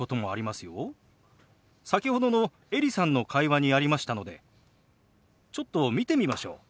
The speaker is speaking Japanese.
先ほどのエリさんの会話にありましたのでちょっと見てみましょう。